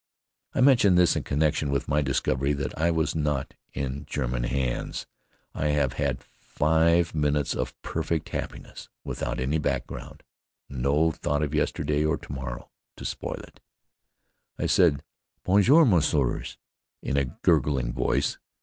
I mention this in connection with my discovery that I was not in German hands. I have had five minutes of perfect happiness without any background no thought of yesterday or to morrow to spoil it. I said, "Bonjour, messieurs," in a gurgling voice.